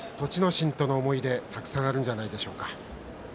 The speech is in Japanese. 心との思い出、たくさんあるんじゃないでしょうか。